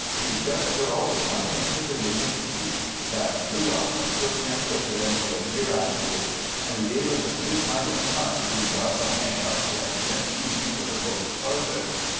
He'd just put all his money into the Yenesei that blew up and took him with it only a year afterward and he gave us a new kind of punch he'd got the hang of when he went East for the boat's carpets.